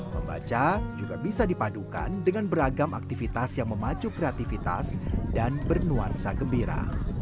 membaca juga bisa dipadukan dengan beragam aktivitas yang memacu kreativitas dan bernuansa gembira